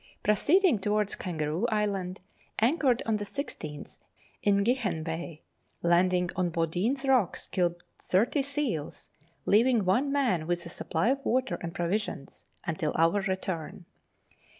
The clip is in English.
Proceeding to wards Kangaroo Island, anchored on the 16th in Guichen Bay ; landing on Baudin's rocks killed 30 seals, leaving one man with a supply of water and provisions until our return.